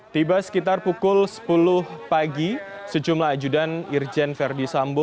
tiba sekitar pukul sepuluh pagi sejumlah ajudan irjen verdi sambo